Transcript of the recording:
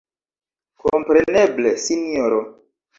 Kompreneble, sinjoro!